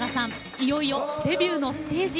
いよいよデビューのステージへ。